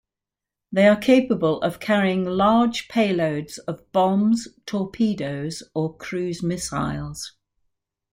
They are capable of carrying large payloads of bombs, torpedoes or cruise missiles.